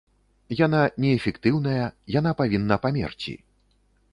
Яна неэфектыўная, яна павінна памерці.